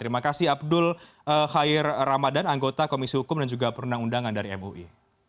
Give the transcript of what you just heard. terima kasih abdul khair ramadan anggota komisi hukum dan juga perundang undangan dari mui